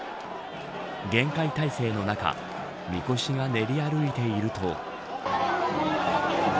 厳戒態勢の中みこしが練り歩いていると。